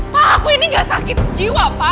pak aku ini gak sakit jiwa pak